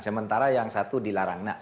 sementara yang satu dilarang